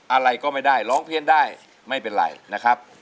อะไรก็ไม่ได้ร้องเพลงได้ไม่เป็นไรนะครับ